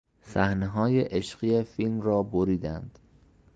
صحنههای عشقی فیلم را بریدند.